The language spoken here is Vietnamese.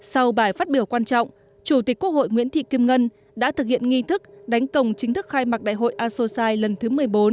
sau bài phát biểu quan trọng chủ tịch quốc hội nguyễn thị kim ngân đã thực hiện nghi thức đánh công chính thức khai mạc đại hội asosi lần thứ một mươi bốn